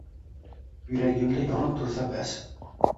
Yuragimda yonib tursa bas